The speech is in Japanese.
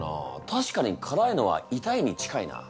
たしかに辛いのは痛いに近いな。